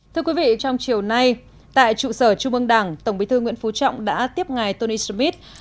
thưa quý vị trong chiều nay tại trụ sở trung ương đảng tổng bí thư nguyễn phú trọng đã tiếp ngài tony smith